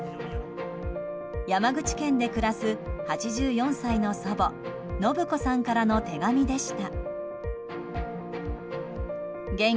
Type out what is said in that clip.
山口県で暮らす８４歳の祖母信子さんからの手紙でした。